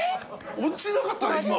落ちなかった今。